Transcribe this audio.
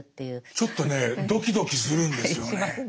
ちょっとねドキドキするんですよね。